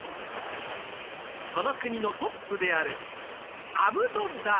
その国のトップであるアブドッラー